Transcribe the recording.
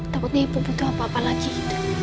takutnya ibu butuh apa apa lagi gitu